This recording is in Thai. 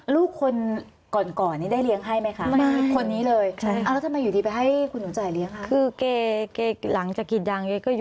ลูกคนก่อนนี้ได้เลี้ยงให้ไหมคะ